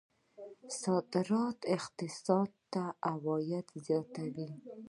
صادرات اقتصاد ته عاید زیاتوي.